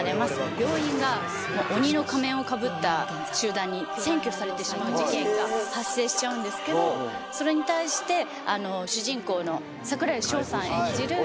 病院が鬼の仮面をかぶった集団に占拠されてしまう事件が発生しちゃうんですけどそれに対して主人公の櫻井翔さん演じる。